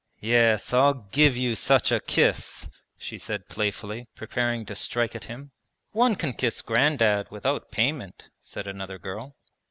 'Yes, I'll give you such a kiss!' she said playfully, preparing to strike at him. 'One can kiss Grandad without payment,' said another girl.